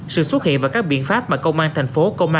sự xuất hiện và các biện pháp mà công an tp hcm